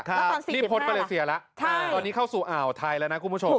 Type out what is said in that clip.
ค่ะตอน๔๐นาทีหรอใช่ตอนนี้เข้าสู่อ่าวไทยแล้วนะคุณผู้ชม